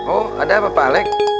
oh ada apa pak alec